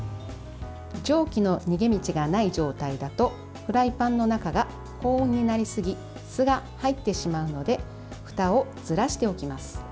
蒸気の逃げ道がない状態だとフライパンの中が高温になりすぎすが入ってしまうのでふたをずらしておきます。